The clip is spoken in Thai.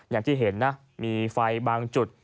อย่างที่เห็นนะมีไฟบางจุด